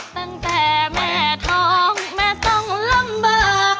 ตั้งแต่แม่ท้องแม่ต้องลำบาก